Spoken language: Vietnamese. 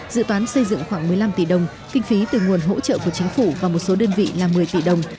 dự toán xây dựng khoảng một mươi năm tỷ đồng kinh phí từ nguồn hỗ trợ của chính phủ và một số đơn vị là một mươi tỷ đồng